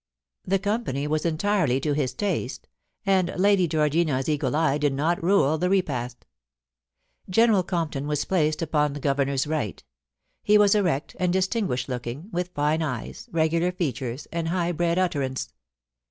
The company was entirely to his taste, and Lady Georgina's eagle eye did not rule the repast General Compton was placed upon the Governor's right He was erect and distinguished looking, wijth fine eyes, regular features, and a high bred utterance.